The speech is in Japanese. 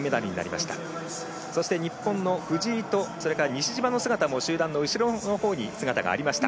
そして、日本の藤井と西島の姿も集団の後ろのほうに姿がありました。